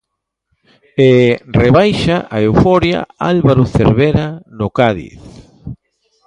E rebaixa a euforia Álvaro Cervera no Cádiz.